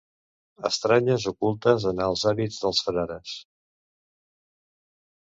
Estranyes ocultes en els hàbits dels frares.